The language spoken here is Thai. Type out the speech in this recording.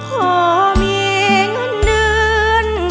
ขอมีเงินหนึ่ง